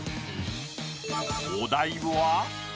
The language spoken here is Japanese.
お題は？